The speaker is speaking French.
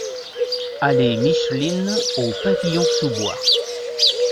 Allée Micheline aux Pavillons-sous-Bois